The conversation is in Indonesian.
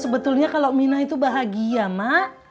sebetulnya kalau mina itu bahagia mak